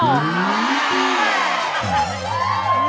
โอ้โห